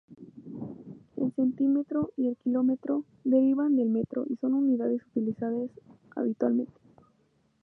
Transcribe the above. El "centímetro" y el "kilómetro" derivan del metro, y son unidades utilizadas habitualmente.